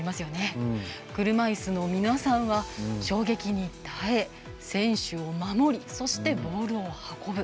車いすの皆さんは、衝撃に耐え選手を守り、そしてボールを運ぶ。